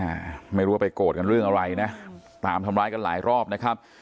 อ่าไม่รู้ว่าไปโกรธกันเรื่องอะไรนะตามทำร้ายกันหลายรอบนะครับ